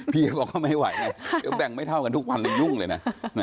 พี่ก็บอกว่าไม่ไหวนะต้องแบ่งไม่เท่ากันทุกวันแล้วยุ่งเลยนะ